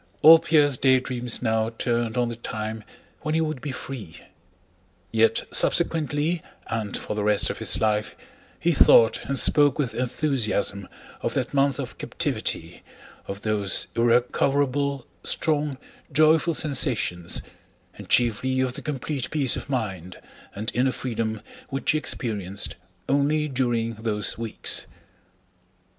All Pierre's daydreams now turned on the time when he would be free. Yet subsequently, and for the rest of his life, he thought and spoke with enthusiasm of that month of captivity, of those irrecoverable, strong, joyful sensations, and chiefly of the complete peace of mind and inner freedom which he experienced only during those weeks.